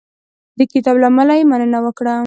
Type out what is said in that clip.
د کتابونو له امله یې مننه وکړه.